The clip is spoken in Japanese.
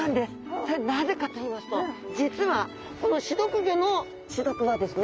それはなぜかといいますと実はこの刺毒魚の刺毒はですね